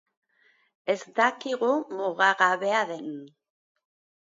Ez dakigu mugagabea den.